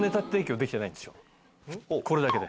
これだけで。